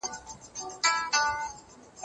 زه پرون لوښي وچولې،